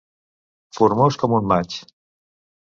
Formós com un maig.